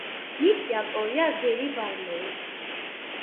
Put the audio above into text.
მისი ავტორია გერი ბარლოუ.